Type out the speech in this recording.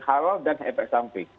halal dan efek samping